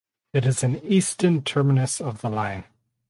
It is an eastern terminus of the line.